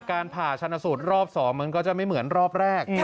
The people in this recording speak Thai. การผ่าชนสูตรรอบ๒มันก็จะไม่เหมือนรอบแรก